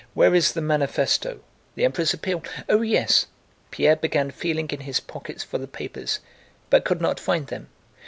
"Where is the manifesto?" "The Emperor's appeal? Oh yes!" Pierre began feeling in his pockets for the papers, but could not find them.